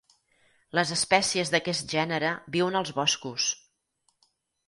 Les espècies d'aquest gènere viuen als boscos.